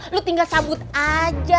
lo tinggal sabut aja